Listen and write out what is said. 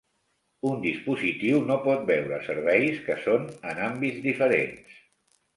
Un dispositiu no pot veure serveis que són en àmbits diferents.